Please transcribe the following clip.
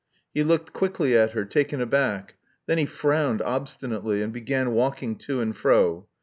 He looked quickly at her, taken aback. Then he frowned obstinately, and began walking to and fro.